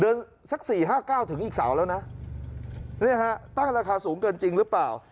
สักสี่ห้าเก้าถึงอีกเสาแล้วนะเนี่ยฮะตั้งราคาสูงเกินจริงหรือเปล่า